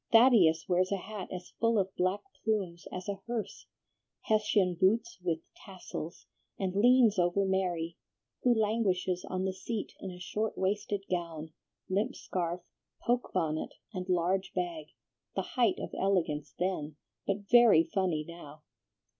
Thaddeus wears a hat as full of black plumes as a hearse, Hessian boots with tassels, and leans over Mary, who languishes on the seat in a short waisted gown, limp scarf, poke bonnet, and large bag, the height of elegance then, but very funny now.